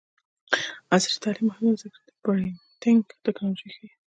عصري تعلیم مهم دی ځکه چې د پرنټینګ ټیکنالوژي ښيي.